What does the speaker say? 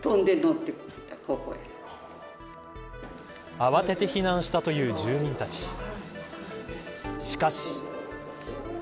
慌てて避難したという住民たちしかし。